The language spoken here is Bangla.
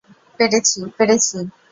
পেরেছি, পেরেছি।